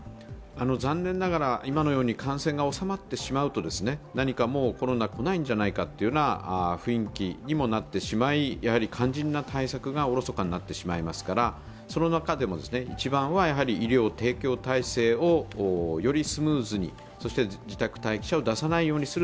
残念ながら、今のように感染が収まってしまうと何かコロナは来ないんじゃないかという雰囲気にもなってしまい、肝心な対策がおろそかになってしまいますからその中でも１番は医療提供体制をよりスムーズに、そして自宅待機者を出さないようにする